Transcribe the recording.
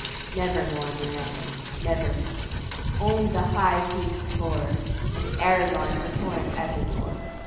Never more; Miranda, Never more. Only the high peaks hoar; And Aragon a torrent at the door.